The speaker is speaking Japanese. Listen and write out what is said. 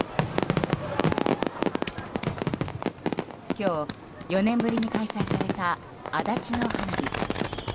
今日、４年ぶりに開催された足立の花火。